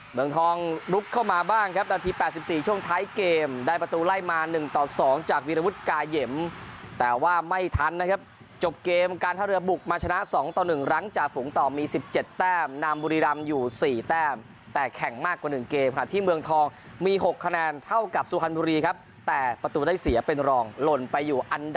เมืองทองลุกเข้ามาบ้างครับนาทีแปดสิบสี่ช่วงท้ายเกมได้ประตูไล่มาหนึ่งต่อสองจากวีรวุฒิกายมแต่ว่าไม่ทันนะครับจบเกมการท่าเรือบุกมาชนะสองต่อหนึ่งหลังจากฝูงต่อมีสิบเจ็ดแต้มนามบุรีรำอยู่สี่แต้มแต่แข่งมากกว่าหนึ่งเกมค่ะที่เมืองทองมีหกคะแนนเท่ากับสุฆารบุรีครับแต่ประตูได้เสีย